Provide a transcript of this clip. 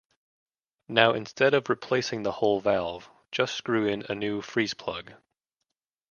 Now instead of replacing the whole valve, just screw in a new freeze plug.